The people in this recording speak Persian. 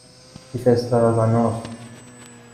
بیف استراگانف